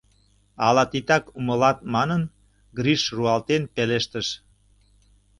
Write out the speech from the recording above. — ала титак умылат манын, Гриш руалтен пелештыш.